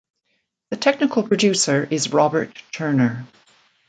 The technical producer is Robert Turner.